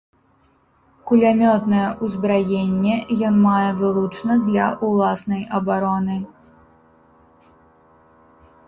Кулямётнае ўзбраенне ён мае вылучна для ўласнай абароны.